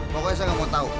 pokoknya saya gak mau tau